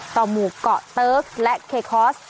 หมู่เกาะเติร์กและเคคอส